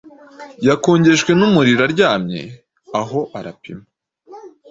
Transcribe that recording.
Yakongejwe mu muriro aryamye aho arapima